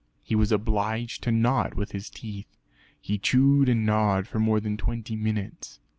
He was obliged to gnaw it with his teeth. He chewed and gnawed for more than twenty minutes.